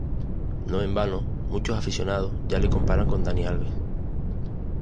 No en vano, muchos aficionados ya le comparan con Dani Alves.